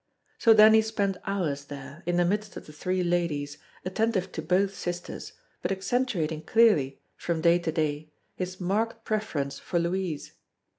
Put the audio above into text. So then he spent hours there, in the midst of the three ladies, attentive to both sisters, but accentuating clearly, from day to day, his marked preference for Louise.